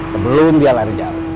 sebelum dia lari jauh